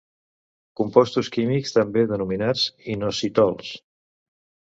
Compostos químics també denominats inositols.